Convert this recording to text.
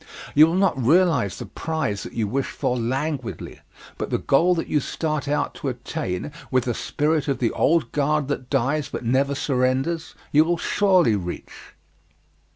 You will not realize the prize that you wish for languidly, but the goal that you start out to attain with the spirit of the old guard that dies but never surrenders, you will surely reach.